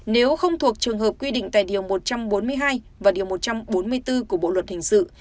nếu không thuộc trường hợp quy định tại điều một trăm bốn mươi hai và điều một trăm bốn mươi bốn của bộ luật hình sự